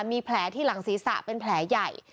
มีแผลที่หลังศีรษะเป็นแผลใหญ่